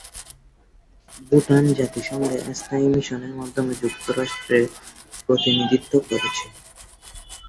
ভুটান জাতিসংঘে স্থায়ী মিশনের মাধ্যমে যুক্তরাষ্ট্রে প্রতিনিধিত্ব করছে।